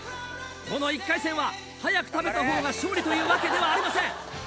この１回戦は早く食べたほうが勝利というわけではありません。